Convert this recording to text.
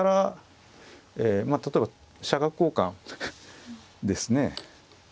例えば飛車角交換ですね。